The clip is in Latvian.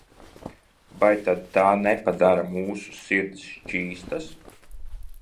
Vai tad tā nepadara mūsu sirdis šķīstas?